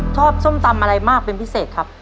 ส้มตำอะไรมากเป็นพิเศษครับ